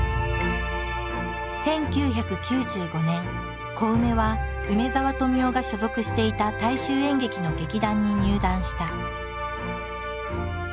１９９５年コウメは梅沢富美男が所属していた大衆演劇の劇団に入団した。